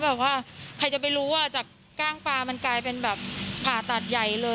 แบบว่าใครจะไปรู้ว่าจากกล้างปลามันกลายเป็นแบบผ่าตัดใหญ่เลย